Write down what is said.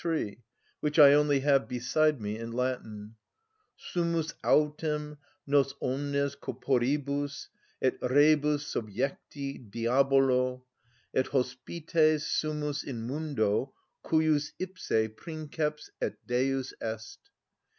3, which I only have beside me in Latin: "_Sumus autem nos omnes corporibus et rebus subjecti Diabolo, et hospites sumus in mundo, cujus ipse princeps et Deus est.